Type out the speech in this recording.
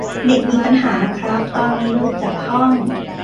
เน็ตมีปัญหานะครับ ตอนนี้หลุดจากห้อง